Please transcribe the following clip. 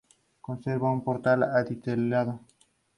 Conserva un portal adintelado.